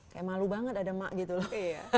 kayak malu banget ada emak gitu loh